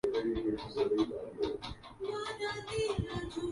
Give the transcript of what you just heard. پیتا ہوں دھو کے خسروِ شیریں سخن کے پانو